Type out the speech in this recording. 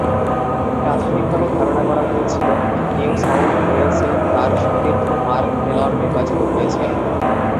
প্রাথমিকভাবে ধারণা করা হয়েছিল নিউ সাউথ ওয়েলসে তার সতীর্থ মার্ক টেলর নির্বাচিত হয়েছেন।